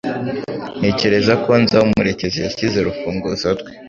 Ntekereza ko nzi aho Murekezi yashyize urufunguzo rwe.